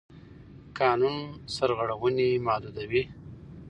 قانون سرغړونې محدودوي.